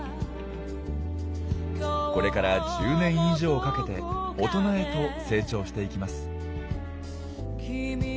これから１０年以上かけて大人へと成長していきます。